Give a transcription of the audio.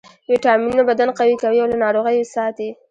ویټامینونه بدن قوي کوي او له ناروغیو یې ساتي